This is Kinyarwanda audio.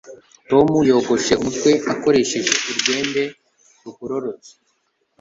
Tom yogoshe umutwe akoresheje urwembe rugororotse.